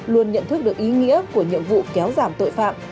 luôn nhận thức được ý nghĩa của nhiệm vụ kéo giảm tội phạm